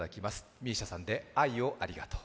ＭＩＳＩＡさんで「愛をありがとう」。